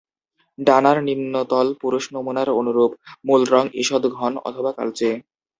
ডানার নিম্নতল পুরুষ নমুনার অনুরূপ, মূল রঙ ইষদ ঘন অথবা কালচে।